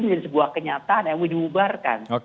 menjadi sebuah kenyataan yang mau dibubarkan